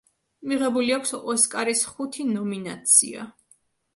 მიღებული აქვს ოსკარის ხუთი ნომინაცია.